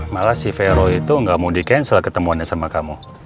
malah si vero itu nggak mau di cancel ketemuannya sama kamu